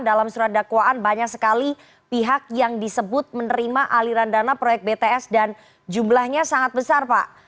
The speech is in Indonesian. dalam surat dakwaan banyak sekali pihak yang disebut menerima aliran dana proyek bts dan jumlahnya sangat besar pak